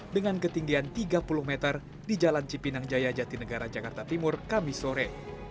dengan ketinggian tiga puluh meter di jalan cipinang jaya jatinegara jakarta timur kami sore